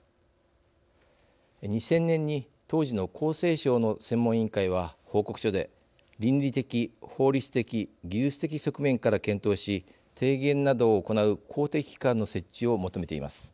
２０００年に当時の厚生省の専門委員会は報告書で倫理的法律的技術的側面から検討し提言などを行う公的機関の設置を求めています。